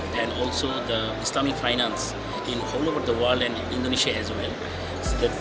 dan juga keuangan islam di seluruh dunia dan indonesia juga